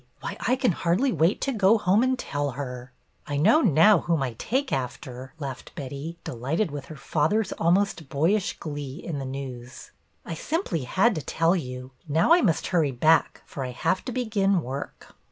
Why, I can hardly wait to go home to tell her.'^ " I know now whom I take after," laughed Betty, delighted with her father's almost boyish glee in the news. '' I simply had to tell you. Now I must hurry back, for I have to begin work."